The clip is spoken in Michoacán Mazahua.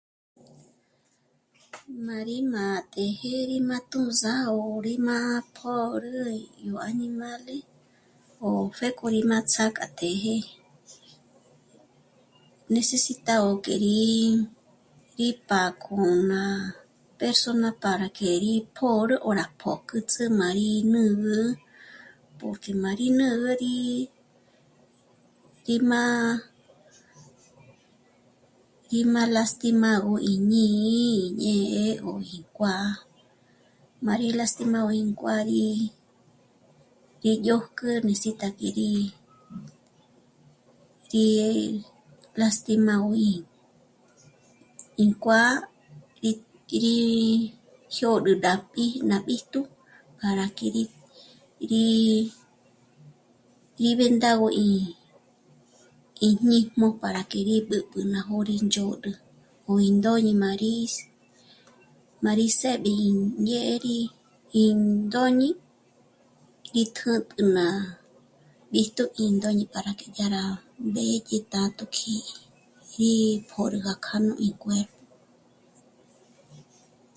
Mâ'a rí má të̌jë rí má tjū̌ndzagö ó rí mâ'a pjö́rü yó añimále o pjéko rí má ts'ák'a tëjë, necesitágö que rí... rí pâ'a k'o ná persona para que rí pjôro ó rá pójkü'ts'ü má rí nǚgü porque má rí nǚgü rí... gí má... gí má lastimágö'i ñî'i ñé'egö ín kuá'a, má gí lastimágö'i nú kuá'a rí y dyójk'ú ín s'ítak'i rí... rí lastimágö'i ínkuá'a rí... rí... jyôd'ü ná pí'i ná b'íjtu para que rí... rí... rí vendágö'i íñíjm'o para que rí b'ǚb'ü ná jôri ndzhôd'ü o índôñi má rí... má rí së̌'b'i índyê'e rí índôñi rí kä̀tp'gü ná... rí tóp'ü ná ndôñi para que dyá rá mbéye tájtjo k'í'i gí pjö̌rga k'anú ínkué'e